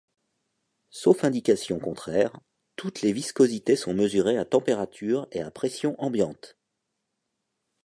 Sauf indication contraire, toutes les viscosités sont mesurées à température et à pression ambiantes.